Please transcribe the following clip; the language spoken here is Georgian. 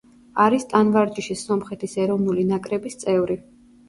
არის ტანვარჯიშის სომხეთის ეროვნული ნაკრების წევრი.